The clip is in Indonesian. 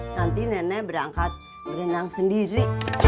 nanti nenek berangkat berenang sendiri